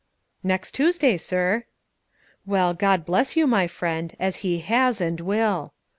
"Next Tuesday, sir." "Well, God bless you, my friend, as He has, and will."